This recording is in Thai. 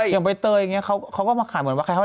อย่างใบเตยเขาก็เอามาขายเหมือนว่า